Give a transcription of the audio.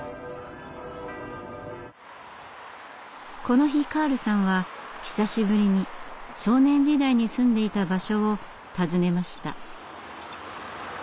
この日カールさんは久しぶりに少年時代に住んでいた場所を訪ねました。